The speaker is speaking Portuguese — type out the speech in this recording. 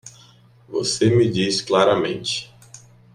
Você me diz claramente